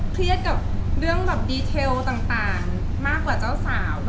เครียดดีเทลต่างมากกว่าเจ้าสาว